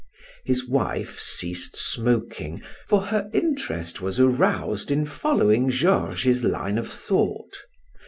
His wife ceased smoking, for her interest was aroused in following Georges's line of thought.